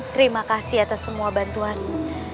terima kasih atas semua bantuanmu